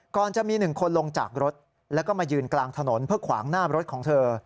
ก่อนจะมีหนึ่งคนลงจากรถแล้วก็มายืนกลางถนนเพื่อขวางหน้ารถของเธอ